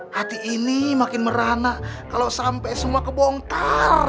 hati ini makin merana kalo sampe semua kebongkar